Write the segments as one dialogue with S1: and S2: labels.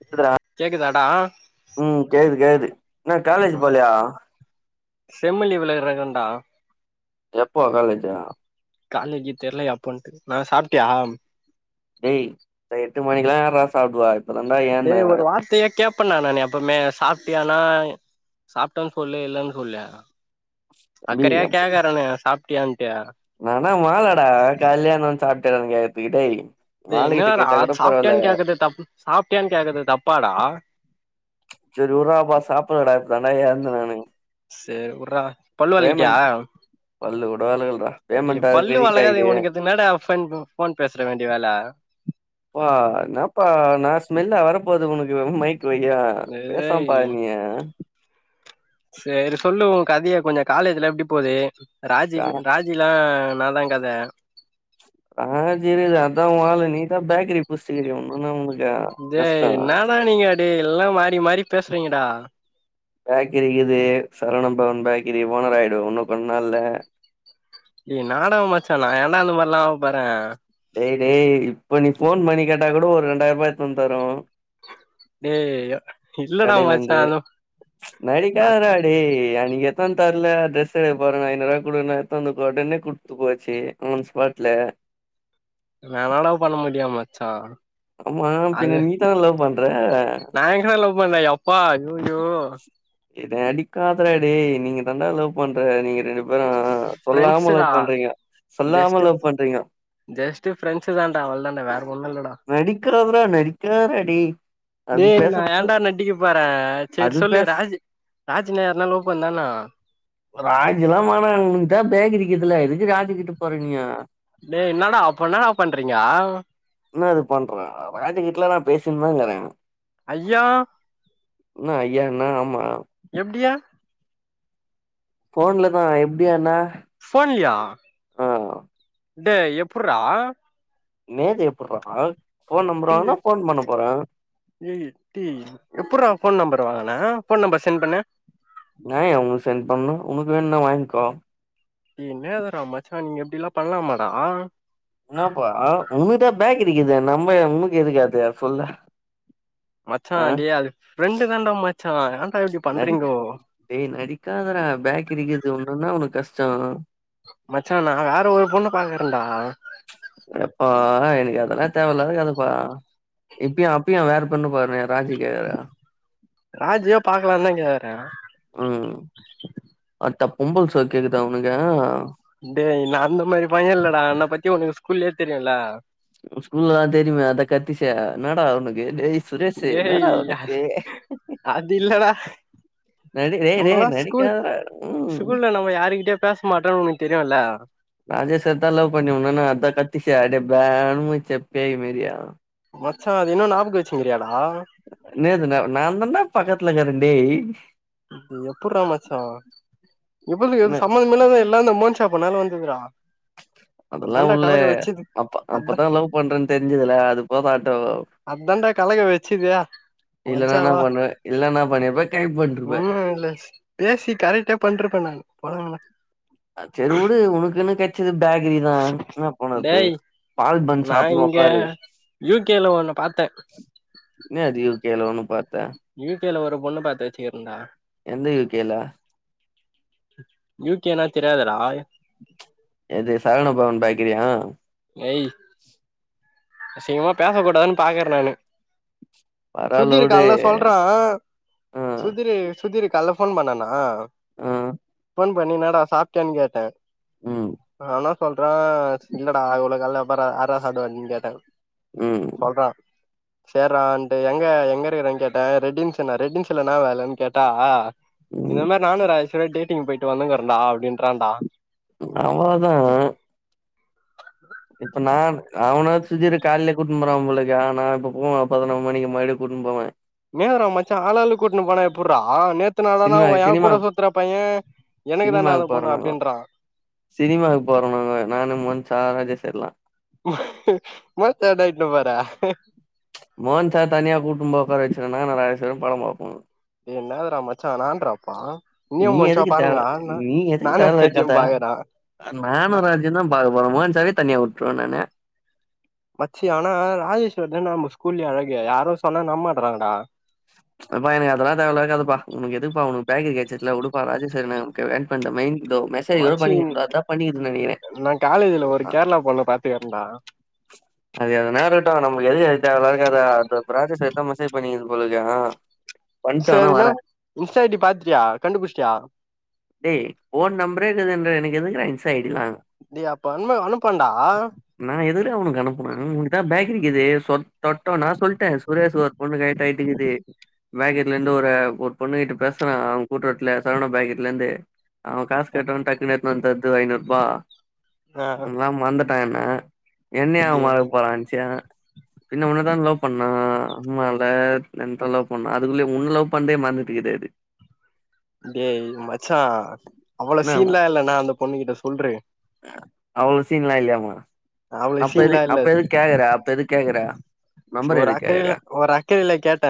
S1: க்குதுறா
S2: கேக்குதாடா
S1: ம் கேக்குது கேக்குது என்ன காலேஜ் போலையா
S2: செம்மு லீவுல இருக்கன்டா
S1: எப்போ காலேஜு
S2: காலேஜு தெர்ல எப்போன்ட்டு நா சாப்ட்டியா
S1: டேய் த எட்டு மணிக்குலா யார்றா சாப்டுவா இப்ப தாண்டா ஏன்ன
S2: டேய் ஒரு வார்த்தையா கேப்பனா நானு எப்போமே சாப்ட்டியானா சாப்டன் சொல்லு இல்லன் சொல்லே அக்கறையா கேக்குறனே சாப்ட்டியான்
S1: நா என்ன ஒ மாகளாடா கல்யாண சாப்ட்டியா என்னென் கேக்கற்த்துக்கு டேய்
S2: டே
S1: மாலுகிட்ட
S2: என்னாடா
S1: கேட்டா கூட பரவால்ல
S2: சாப்ட்டியான் கேக்கற்து தப்பு சாப்ட்டியானு கேக்கற்து தப்பாடா
S1: செரி விர்றாப்பா சாப்புட்லடா இப்பதான்டா எழ்ந்துனுக்
S2: சேரி வுட்றா பல்லு வெளக்கிட்டியா
S1: பேமெண்ட் பல்லு கூட வெலகல்டா
S2: டே
S1: பேமெண்ட் வேற
S2: பல்லு
S1: கிரெடிட்
S2: வெளங்காது
S1: ஆயிடு
S2: ஒனக்கு எது என்னடா ஃபென்பு ஃபோன் பேசுற வேண்டிய வேல
S1: ப்பா என்னப்பா என்ன ஸ்மெல்லா வரப் போது உனக்கு மைக் வெழியா பேசாம்
S2: ஏய்
S1: பாரு நீயு
S2: சேரி சொல்லு ஒ கதைய கொஞ்ச காலேஜ்லா எப்டி போது
S1: ஆ
S2: ராஜிப் ராஜிலா நாந்தா கத
S1: ஆ செரி அதா ஒ ஆலு நீதா பேக்கரி புஸ்ட்சுக்கிறியே ஒன்னுனா உனக்
S2: டைய் என்னாடா நீங்க டேய் எல்லா மாறி மாறி பேசுறீங்கடா
S1: பேக்கரி இக்குது சரவண பவன் பேக்கரி ஓனர் ஆயிடுவ இன்னு கொன் நாள்ல
S2: டேய் என்னாடா மச்சா நா ஏன்டா அந்த மாரில்லா ஆவப்போற
S1: டேய் டேய் இப்போ நீ ஃபோன் பண்ணி கேட்டா கூட ஒரு ரெண்டாயிரூபா எத்துன்னு வந்து தரும்
S2: டேய் இல்லடா
S1: கடையில
S2: மச்சா
S1: இருந்து
S2: அது
S1: நடிக்காதடா டேய் அன்னக்கி எத்துன் தர்ல ட்ரெஸ் எடுக்க போற ஐநூவா குடுன்னு எத்து வந்து ஒடனே குடுத்து போச்சு ஆன் ஸ்பார்ட்ல
S2: நா என்னடா பண்ண முடியு மச்சா
S1: ஆமா பின்ன
S2: அது
S1: நீதான லவ் பண்ற
S2: ம் பண்ல எப்பா ஐய்யய்யோ
S1: ஏய் நடிக்காதடா டேய் நீங்க தாண்டா லவ் பண்ற நீங்க ரெண்டு பேரு ஆ சொல்லாம
S2: ஃப்ரெண்ட்ஸுடா
S1: லவ் பண்றீங்க சொல்லாம
S2: ஜஸ்ட்டு
S1: லவ் பண்றீங்க
S2: ஜஸ்ட்டு ஃப்ரெண்ட்ஸு தாண்டா அவ்ளோ தாண்டா வேற ஒன்னு இல்லடா
S1: நடிக்காதடா நடிக்காதடா டேய் அது
S2: டேய் நா
S1: பேசறது
S2: ஏண்டா நடிக்க போற சேரி
S1: அது
S2: சொல்லு
S1: பேச
S2: ராஜி ராஜினா யாருனா லவா பண்ணுதான்னா
S1: ராஜில்லா வேணா அதா பேக் அடிக்குதுல எதுக்கு ராஜிக்கிட்ட போற நீயா
S2: டேய் என்னடா அப்ப என்னடா பண்றீங்க
S1: என்னாது பண்றே ராஜிக்கிட்டலா நா பேசின்னுதாக்கறே
S2: ஐயா
S1: என்ன ஐயான்னா
S2: எப்டியா
S1: ஃபோன்லதா எப்படியண்ண
S2: போன்லையா டே எப்புட்றா
S1: நேது எப்புட்றா போன் நம்பர்
S2: டீய
S1: வாங்குனா போன் பண்ண போறேன்
S2: டேய் எப்டி எப்புறா அவ ஃபோன் நம்பர் வாங்கு ன ஃபோன் நம்பர் சென்ட் பண்ணு
S1: நா ஏ உனக் சென்ட் பண்ணு உனக்கு வேணுன்னா வாங்கிக்கோ
S2: டேய் என்னதுடா மச்சா நீங்க இப்டிலா பண்லாமாடா
S1: என்னப்பா உனுக்குதா பேக் அடிக்குதே நம்ப உன்னுக்கு எதுக்கு அது சொல்லு
S2: மச்சா
S1: ஆ
S2: டேய் அது ஃப்ரெண்டு தாண்டா மச்சா ஏன்
S1: நடிக் டேய் நடிக்காதடா பேக்கரிக்குது ஒன்னுதா ஒனக்கு கஷ்டோ
S2: மச்சா நா வேற ஒரு பொண்ண பாக்கறேண்டா
S1: எப்பா எனக்கு அதெல்லா தேவையில்லாத கதப்பா இப்பியு அப்பியு வேற பெண்ணு பாரு
S2: ராஜியா பாக்கலாந்தா கேக்கற
S1: பொம்பள சோக் கேக்குதா ஒனக்கு
S2: டேய் நா அந்த மாரி பைய இல்லடா என்ன பத்தி ஒனக்கு ஸ்கூல்லேயே தெரியுல்ல
S1: ஸ்கூல்லதா தெரியுமே அதா கத்திச்சே என்னடா ஒனக் கு டேய் சுரேஷு என்னடா
S2: டேய்
S1: ஒனக்கு
S2: அது இல்லடா
S1: நடி ரேய் ரேய்
S2: நம்மல்லா ஸ்கூல்
S1: நடிக்காதடா ம்
S2: ஸ்கூல்ல நம்ம யாருகிட்டயு பேச மாட்டோன்னு உனக்கு தெரியுல்ல
S1: ராஜேஸ்வரிதா லவ் பண்ணி உன்னொன்னு அதா கத்திச்சே அப்டே பேனு மூச்சே பேய் மாரியே
S2: மச்சா அது இன்னு ஞாபக வச்சுன்னுருக்கியாடா
S1: அண்ணே இது நா நாந்தாண்டா பக்கத்துல இக்குற டேய்
S2: எப்புறா மச்சா எப்புடி எனக்கு
S1: என்ன
S2: சம்மந்த இல்லாத எல்லா நா ம ப்பனால வந்துதுடா
S1: அதெல்லா ஒன்னுல்லே அப்ப
S2: அதா
S1: அப்பதா லவ் பண்றேன்னு தெரிஞ்சதுல அது போதாட்டோ
S2: தாண்டா கலக வச்
S1: இல்லனா என்ன பண்ணுவ இல்லனா என்னா பண்ணிருப்ப கை பு
S2: ம் இல்ல பேசி கரெட்டே பண்ருப்ப நானு போங்கடா
S1: செரி உடு உனுக்குன்னு கெச்சது பேக்ரிதா என்ன பண்ணறது
S2: டேய்
S1: பால் பன்
S2: நா
S1: சாப்புணு
S2: இங்க
S1: உக்காரு
S2: யூ கே ல ஒன்னு பாத்தே
S1: இன்னா அது ஒ கைல ஒன்னு பாத்த
S2: யூ கே ல ஒரு பொண்ண பாத்து வச்சிக்கிறண்டா
S1: எந்த யூ கே ல
S2: யூ கே னா தெரியாதராய்
S1: எது சரவண பவன் பேக்கிறியா
S2: எய் அசிங்கமா பேசக் கூடாதுன் பாக்கற நானு சுதி
S1: பரவாலோடு
S2: இருக்கால்ல சொல்றா
S1: ஆ
S2: சுதிரு சுதிரு கால்ல ஃபோன் பண்ணானா
S1: ஆ
S2: ஃபோன் பண்ணி என்னாடா சாப்ட்டியான் கேட்ட
S1: ம்
S2: அவ்னா சொல்றா இல்லடா இவளோ கால்ல பாரா ஆர்றா சாப்டுவா நீங் கேட்டா
S1: ம்
S2: சேர்றான்ட்டு எங்க எங்க இருக்ன் கேட்டா ரெட்டின்ஸுனா ரெட்டின்ஸ்ல என்னா வேலன் கேட்டா இந்த
S1: ம்
S2: மாரி நானு ராஜேஸு டேட்டிங் போயிட்டு வந்துக்குறொன்டா அப்டின்றான்டா
S1: அவ்ளதா இப்ப நா அவன சுஜிரு கால்லையே கூட்னு போறாம் போலருக்கு ஆனா நா இப்ப போவு பதினோ மணிக்கு மயிடு கூட் னு போவே
S2: நூ என்னடா மச்சா ஆளாளுக் கூட்னு போனா எப்புர்றா ஆ நேத்து நல்லாதா
S1: சினிமா
S2: ஒ ஏங்
S1: சினிமா
S2: கூட சுத்துற பைய எனக்கு தாண்டா அந்த பொண்ணு அப்டின்றா
S1: சினிமாவுக் போறோமுங்க நானு மன்சா ராஜேஸு எல்லா
S2: [unintelligible] ஏண்டா இட்னு போற
S1: மோஹன் சார் தனியா கூட்டும் போ ஒக்கார வச்சிருவ நா ராஜேஸு படம் பாப்போ
S2: என்னாதுரா மாச்சா நான்றாப்பா இனியு
S1: நீ
S2: மச்சா
S1: எதுக்கு
S2: பாருங்க
S1: தேவயில்லா
S2: நா
S1: நீ எதுக்கு
S2: நானு
S1: தேவல்லா
S2: சத்தியம்
S1: கத்த
S2: பாக்கறா
S1: நானு ராஜன்தா பாக்க போவோ மோஅன் சாரவே தனியா உட்ருவ நானு
S2: கூல்லயே அழகு யாரு சொன்னா நம்மாட்றாங்கடா
S1: அப்பா எனக்கு அதெல்லா தேவா இல்லாத கதப்பா உனக்கு எதுப்பா உனக்கு பேக்கிருக்குற [unintelligible] உடுப்பா ராஜேஸ் சார் என்னா நமக்கு ஏன் பண்ற மெய்ன் இதோ மெசேஜ் கூட
S2: மச்சி
S1: பண்ணிக்கிறன்டா அதா பண்ணிக்கிதுன் நெனக்கிறே
S2: நா காலேஜ்ல ஒரு கேரளா பொண்ண பாத்துக்கறன்டா
S1: அது எதனா இருக்கட்டு நம்ளுக்கு எது எது தேவ இல்லாத கத அதுட்ட ப்ராஜக்ட் செய்யதா மெசேஜ் பண்ணிகிது போலர்க்கு ஆ பண்ட்டு ஆனா
S2: சேர்னா
S1: வரேன்.
S2: இன்ஸ்டா ஐ டி பாத்துட்டியா கண்டுபுஷ்ட்டியா
S1: டேய் ஓன் நம்பரே இக்குதுன்ற எனக்கு எதுக்குடா இன்ஸா ஐ
S2: டேய் அப்ப அன்ம அனுப்பான்டா
S1: டா அவனுக் அனுப்பணு உங்கிட்ட பேக்கிரிக்குது சொட் தொட்டோ நா சொல் ட்ட சுரேஸு ஒரு பொண்ணு கயெட் ஆயிட்டிக்குது பேக்கிரிலேந்து ஒரு ஆ ஒரு பொண்ணுகிட்ட பேசுறா அவ கூட்ரோட்ல சரவணா பேக்கிரிலேந்து அவ காஸ் கேட்டவுன் டக்குனு எத்னு வந் தர்து ஒ ஐநூர்பா
S2: ஆ
S1: நம்ளலா மறந்துட் டான்ன என்னியா
S2: டேய்
S1: மறக் போறான்ச்சு பின்ன உன்னதான லவ் பண்ணா அமால்ல என்தா லவ் பண்ணா அதுக்குள்ளயே உன்ன லவ் பண்தே மறந்துட்டுக்குது அது
S2: டேய் மச்சா அவ்வளோ
S1: என்ன
S2: சீன்லா இல்ல நா அந்த பொண்ணுக் கிட்ட சொல்று
S1: அவ்ளோ சீன்லா இல்லையாமா
S2: அவ்ளோ
S1: அப்ப எது
S2: சீன்லா
S1: அப்ப எதுக் கேக்கற அப்ப எதுக் கேக்கற
S2: சுமா ஒரு அக்கறைல ஒரு அக்கறைல கேட்ட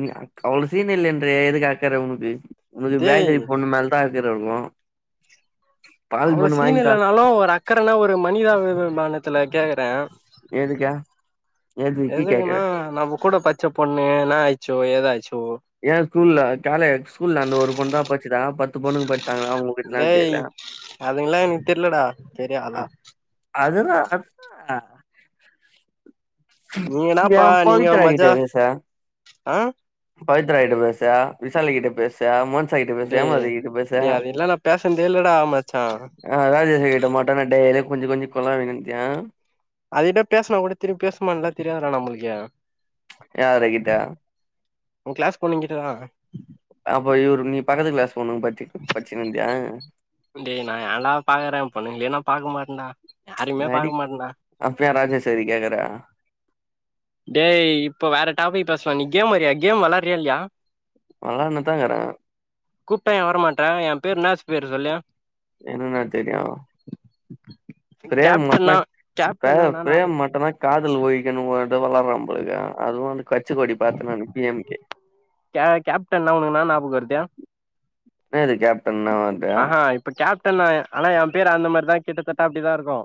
S1: நீ அவ்ளோ சீன் இல்லன்றியே எதுக்கு அக்கற உனுக்கு உனுக்கு
S2: டேய்
S1: பேக்கிரி பொண்ணு மேல் தா [unintelligible]
S2: அவ்ளோ சீன் இல்லனாலு ஒரு அக்கறனா ஒரு மனிதாபிபிமானத்துல கேக்கற
S1: எதுக்க
S2: எதுக்குன்னா நம்ப கூட பட்சப் பொண்ணு என்ன ஆயிச்சோ ஏதாய்ச்
S1: ஏ ஸ்கூல்ல காலே ஸ்கூல்ல அந்த ஒரு பொண்ணுதா பட்ச்சிதா பத்து பொண்ணுங்க பட்ச்சாங்க அவ்ங்க கிட்லா
S2: டேய்
S1: கேலா
S2: அதுங்கல்லா எனக்கு தெர்லடா தெரியு அதா
S1: அதுதா அதா ஏ
S2: நீங்கனாப்பா நீங்க
S1: பவித்ரா கிட்ட
S2: மஜா
S1: பேசே
S2: ஆ
S1: பவித்ரா கிட்ட பேச விசாலிகிட்ட பேச மோன்
S2: டேய் டேய் அதுங்கிட்லா பேசன்தே இல்லடா மச்சா
S1: ஆ ராஜேசு கிட்ட மட்டுன்ன டெய்லியு கொஞ்சி கொஞ்சி கொலாவினுந்தியா
S2: அதிட்ட பேசுனா கூட திருப்பி பேசுமான்லா தெரியாதுறா நம்ளுக்கே
S1: யாரு கிட்டா
S2: உ கிளாஸ் பொண்ணுங்கிட்டதா
S1: அப்ப இவுரு நீ பக்கத்து கிளாஸ் பொண்ணுங்க பத்தி பச்சின்னு இருந்தியா
S2: டே நா யான்டா பாக்கறே பொண்ணுங்லயே நா பாக்க மாட்டன்டா
S1: நடிக் அப்ற ஏ ராஜேஸ்வரி கேக்கற
S2: டேய் இப்ப வேற டாபிக பேசலா நீ கேம் வரியா கேம் வெளாடறியா இல்லியா
S1: வெளான்னுதா இக்குற
S2: கூப்டா யே வரமாட்ட ஏம் பேரு இன்னா பேரு சொல்லு
S1: எனக்கெனா தெரியு பிரேம் மட்ன
S2: கேப்டன்னா
S1: இப்ப
S2: கேப்டன்னா என்னா
S1: பிரேம்
S2: ஞாபக
S1: மட்டுந்தா காதல் ஒழிக்கணு போ ராடறா போலகிதே அதுவு அந்து கச்சி கொடி பாத்த நானு பி எம் கே
S2: கே கேப்டன்னா உனக் என்னா நாபக வர்து
S1: இன்னாதுக்கே
S2: அ ஆ இப்ப கேப்டன்னு ஆனா எம் பேரு அந்த மார்தா கிட்டத்தட்ட அப்டிதா இருக்கு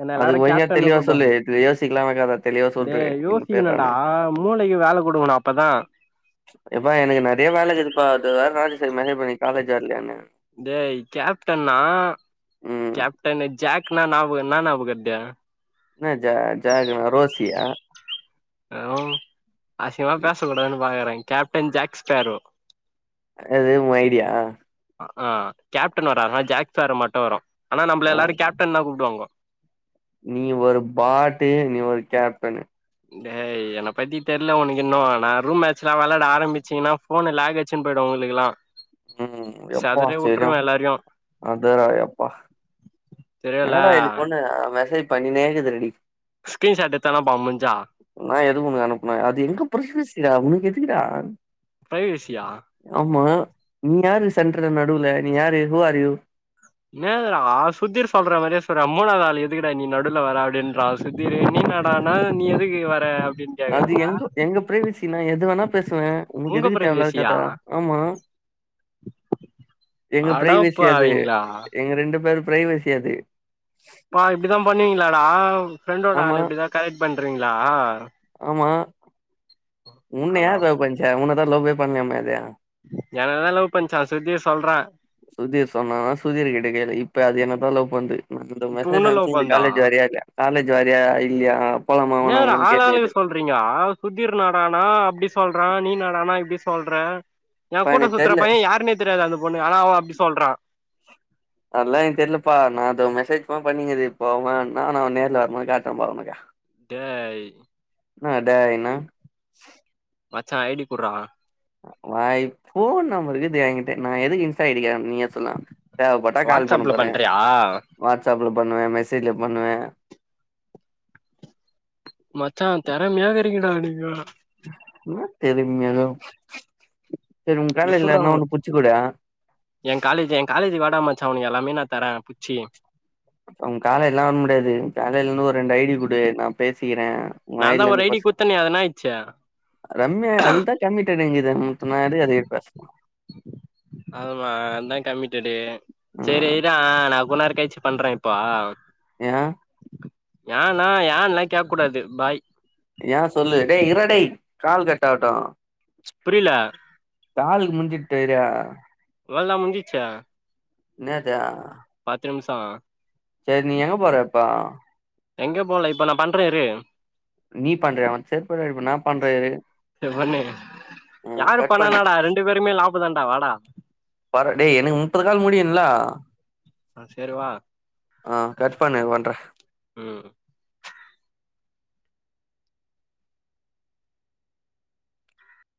S2: என்ன எல்லாரு
S1: அதுக்கு ஒழுங்கா
S2: கேப்டன்னு
S1: தெளிவா சொல்லு
S2: கூப்டுவாங்கோ
S1: இது யோசிக்கலாமே கதை தெளிவா சொல்று
S2: டேய்
S1: இந்த பேர் நானு
S2: யோசிக்குனுன்டா மூளை க்கு வேல குடுக்கணு அப்பதா
S1: எப்பா எனக்கு நெறய வேலகிதுப்பா அது வேற ராஜேஸரி மேசேஜ் பண்ணிது காலேஜ் வர்லயானு
S2: டேய் கேப்டன்னா
S1: ம்
S2: கேப்டனு ஜேக் நா நாபக இன்னா நாபகர்து
S1: இன்னா ஜே ஜேக்னா ரோசியா
S2: ஹரோ அசிங்மா பேசக் கூடாதுன் பாக்கற கேப்டன் ஜேக் ஸ்பேரோ
S1: அது உ ஐடியா
S2: அ ஆ கேப்டன் வராதுடா ஜேக் ஸ்பேரோ மட்டு வரு ஆனா நம்பள
S1: ஆ
S2: எல்லாரு கேப்டன் தா கூப்டுவாங்கோ
S1: நீ ஒரு பாட்டு நீ ஒரு கேப்டனு
S2: டேய் என்ன பத்தி தெர்ல ஒனக்கின்னு நா ரூம் மேட்ஸ்லா வெளாட ஆரம்பிச்சிங்னா ஃபோனு லேகச்சின் போய்டு உங்ளுக்லா
S1: ம் யப்பா செரியான
S2: எல்லாரையு
S1: அந்தராயப்பா
S2: தெரியுல்ல
S1: இன்னாடா இந்த பொண்ணு மெசேஜ் பண்ணினேகிது ரெடி
S2: ஸ்கிரீன்ஷாட் எத்தனா பா முஞ்சா
S1: நா எதுக்கு உனுக்கு அனுப்ன அது எங்க பிரசஸிடா உனக்கெதுக் குடா
S2: பிரைவசியா
S1: நீ யாரு சென்ட்ரல நடுவுல நீ யாரு ஹூ ஆர் யூ
S2: என்னதுடா சுத்திர் சொல்ற மாரியே சொல்ற மூனாவுது ஆள் எதுக்டா நீ நடுல வர அப்டின்றா சுத்திரு நீ என்னடானா நீ எதுக்கு வர அப்டின்னு
S1: அது
S2: கேக்குற
S1: எங்க எங்க பிரைவேசி நா எது வேணா வ
S2: உங்க
S1: உனகெதுக்கு தேவ இலாத கத
S2: பிரைவேசியா
S1: ஆமா எங்க பிரைவேசி அது
S2: அடப்பாவிங்களா
S1: எங்க ரெண்டு பேரு பிரைவேசி அது
S2: பா இப்டிதா பண்ணுவிங்ளாடா ஃப்ரெண்டோட
S1: ஆமா
S2: ஆள இப்டிதா கரெக்ட் பண்றிங்ளா
S1: ஆமா உன்ன யார் லவ் பண்ச்சா உன்னதா லவ்வே பண்ணமயாதே
S2: எனனதா லவ் பண்ச்சா சுத்திர் சொல்ற
S1: சுதீர் சொன்னானா சுதீர் கிட்ட கேளு இப்ப அது என்னதா லவ் பண்து எனக்கிந்த
S2: இப்ப
S1: மெசேஜ்
S2: உன்ன லவ்
S1: அனுப்ச்ந்துது
S2: பண்தா
S1: காலேஜ் வாரிய இல்லயா காலேஜ் வரியா இல்லயா போலாமா வேணாமான் கேட்னுகிது
S2: றிங்க சுதீர் என்னடானா அப்டி சொல்றா நீ என்னடான இப்டி சொல்ற எ
S1: ப்பா
S2: கூட்ட
S1: எனக்கு
S2: சுத்ற
S1: தெர்ல
S2: பைய யாருன்னே தெரியாது அந்த பொண்ணு ஆனா அவ அப்டி சொல்றா
S1: அதெல்லா என தெரியலுப்பா நா அத மெசேஜ் பண்ணீங்குது போவேன்னா நா நேர்ல வரே போது காட்ரே பார் உனக்கு போணுக்கா
S2: டேய்
S1: என்ன டேய் நா
S2: மச்சா ஐ டி குட்றா
S1: மை ஃபோன் நம்பருக்கு எங்கிட்டே நா எதுக்கு இன்ஸ் சைட்டுகே நீயா சொன்னே தேவைப்பட்டா கால் பண்ண
S2: வாட்ஸ்அப்ல
S1: போறே
S2: பண்றியா
S1: வாட்ஸ்அப்ல பண்ணுவே மெசேஜ்ல பண்ணுவே
S2: மச்சா தெரமயா இருக்குட
S1: என்ன தெரிமையோ செரி உங்க
S2: எப்புட்றா
S1: கால்னிலயாருனா ஒண்ணு புச்சு குடே
S2: ட்டா மச்ச உனக் எல்லாமே நா தரே புச்சி
S1: அவங்க காலேஜ்லா வர முடியாது காலேயில இருந்து ஒரு ரெண்டு ஐ டி குடு நா பேசி ஏ
S2: நா தா
S1: வயல
S2: ஒரு
S1: இருந்து
S2: ஐ டி
S1: பசங்
S2: குத்தனே அது என்னாயிச்சு
S1: ரம்யா அதுதா கெம்பிடேனே [unintelligible]
S2: ஆமா அண்ணே கம்மிடடு செரி
S1: ஆ
S2: இரே நா கொன்நேரெக் கேச்சி பண்றே இப்போ
S1: ஏ
S2: யானா யன் என்ன கேக் கூடாது பாய்
S1: ஏ சொல்லு டே இர்டா டே கால் கட்ட ஆகட்டு
S2: புரியல
S1: தாலுக்கு முடுஞ்சுட்டேரியா
S2: அவளோ தா முஞ்சிச்சா
S1: என்னதா
S2: பாத்து நிமிஷோ
S1: செரி நீ எங்க போறப்போ
S2: எங்க போல இப்ப நா பண்றே இரு
S1: நீ பண்றயா அவன செருப்பாலடிப்பே நா பண்றே இரு
S2: சரி பண்ணு
S1: ஆ
S2: யாரு
S1: கட்
S2: பண்ணா
S1: பண்ணு
S2: என்னடா ரெண்டு பேருமே லாபோதாடா வாடா
S1: பார்ட டே எனக்கு முப்பது கால் முடியனுலே
S2: ஆ சேரி வா
S1: ஆ கட் பண்ணு பண்றே
S2: ம்